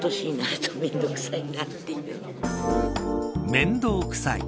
面倒くさい。